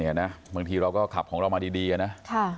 บางทีเราก็ขับของเรามาดีนะ